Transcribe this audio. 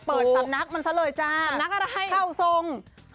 เปิดสำนักมันซะเลยจ้าเข้าทรงโอ้โฮสำนักอะไร